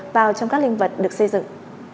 vào trong các linh vật được xây dựng